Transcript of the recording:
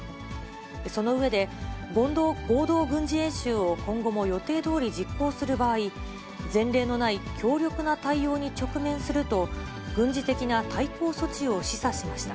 その上で、合同軍事演習を今後も予定どおり実行する場合、前例のない強力な対応に直面すると、軍事的な対抗措置を示唆しました。